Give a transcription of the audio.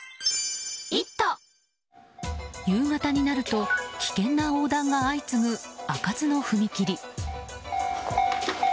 夕方になると危険な横断が相次ぐ開かずの踏切。